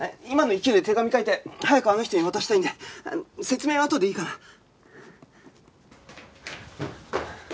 今の勢いで手紙書いて早くあの人に渡したいんで説明はあとでいいかな？